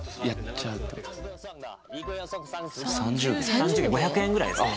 ３０元５００円ぐらいですね。